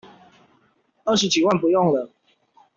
二十幾萬不用了